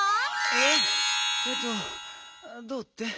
えっえっとどうって？